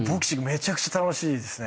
めちゃくちゃ楽しいですね。